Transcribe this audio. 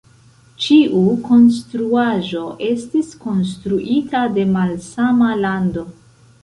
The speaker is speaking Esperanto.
Ĉiu konstruaĵo estis konstruita de malsama lando.